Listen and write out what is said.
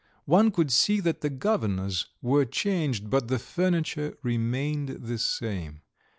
One could see that the governors were changed, but the furniture remained the same.